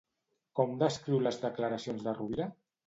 Com descriu les declaracions de Rubira?